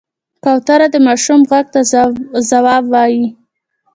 کوتره د ماشوم غږ ته ځواب وايي.